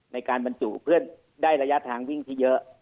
ในการบรรจุเพื่อได้ระยะทางวิ่งที่เยอะ